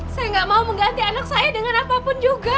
saya nggak mau mengganti anak saya dengan apapun juga